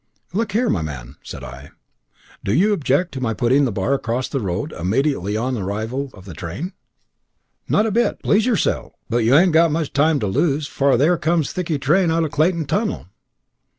"Look here, my man!" said I. "Do you object to my putting the bar across the road, immediately on the arrival of the train?" "Not a bit! Please yersel'; but you han't got much time to lose, for theer comes thickey train out of Clayton tunnel."